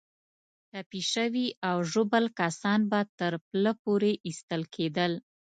ټپي شوي او ژوبل کسان به تر پله پورې ایستل کېدل.